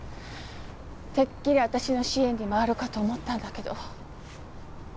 てっきり私の支援に回るかと思ったんだけど。